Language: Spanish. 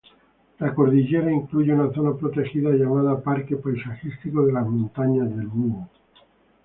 La cordillera incluye una zona protegida llamada Parque Paisajístico de las Montañas del Búho.